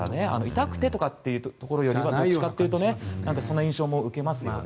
痛くてとかっていうところよりはどっちかというとそんな印象も受けますよね。